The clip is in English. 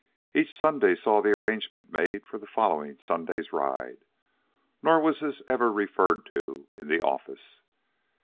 Each Sunday saw the arrangement made for the following Sunday's ride; nor was this ever referred to in the office.